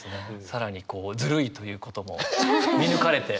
更にこうずるいということも見抜かれて。